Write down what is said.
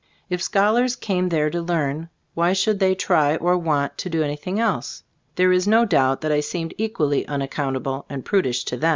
If scholars came there to learn, why should 'they' try, or want, to do anything else? There is no doubt that I seemed equally unac countable and prudish to them.